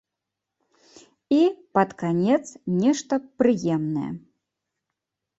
І, пад канец, нешта прыемнае.